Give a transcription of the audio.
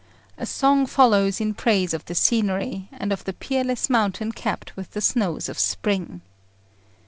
A song follows in praise of the scenery and of the Peerless Mountain capped with the snows of spring.